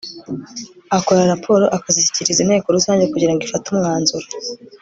akora raporo, akazishyikiriza inteko rusange kugira ngo ifate umwanzuro